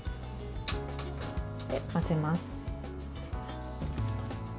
混ぜます。